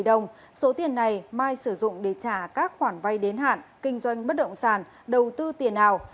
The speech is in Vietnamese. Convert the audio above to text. tổng số tiền này mai sử dụng để trả các khoản vai đến hạn kinh doanh bất động sản đầu tư tiền ảo